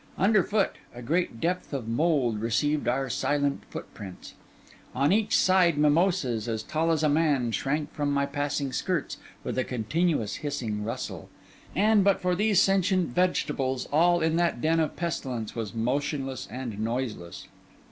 Underfoot, a great depth of mould received our silent footprints; on each side, mimosas, as tall as a man, shrank from my passing skirts with a continuous hissing rustle; and but for these sentient vegetables, all in that den of pestilence was motionless and noiseless.